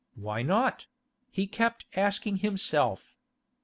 ... Why not?—he kept asking himself.